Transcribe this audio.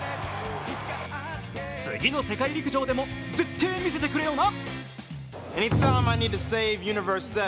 次の世界陸上でもぜってぇ見せてくれよな。